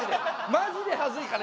マジで恥ずいから。